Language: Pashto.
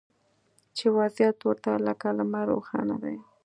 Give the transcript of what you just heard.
چې وضعیت ورته لکه لمر روښانه دی